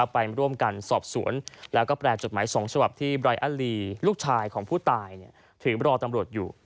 ไปร่วมกันสอบสวนแล้วก็แปรจดหมาย๒ฉบับที่ไรอารีลูกชายของผู้ตายถือรอตำรวจอยู่